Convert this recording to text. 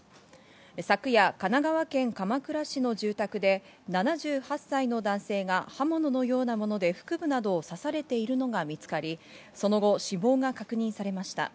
昨夜、神奈川県鎌倉市の住宅で７８歳の男性が刃物のようなもので腹部などを刺されているのが見つかり、その後死亡が確認されました。